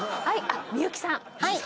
はい美有姫さん。